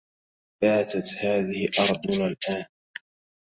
باتت هذه أرضنا الآن.